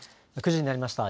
９時になりました。